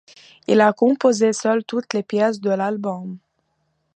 Il a composé seul toutes les pièces de l'album.